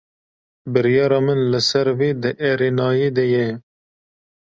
Biryara min li ser vê di erênayê de ye.